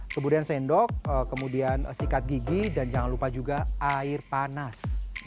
kemudian sendok kemudian sikat gigi dan jangan lupa juga air panas